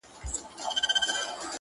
د سرو سونډو په لمبو کي د ورک سوي یاد دی~